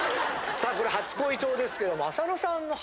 さあこれ初恋糖ですけども。